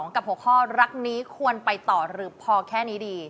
กับหัวข้อรักนี้ควรไปต่อหรือพอแค่นี้ดี